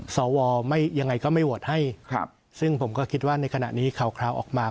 สวไม่ยังไงก็ไม่โหวตให้ซึ่งผมก็คิดว่าในขณะนี้ข่าวออกมา